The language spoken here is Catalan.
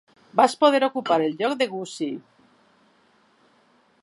Vaig poder ocupar el lloc de Gussie.